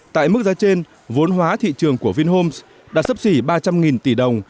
tại mức giá trên vốn hóa thị trường của vinhomes đã sấp xỉ ba trăm linh tỷ đồng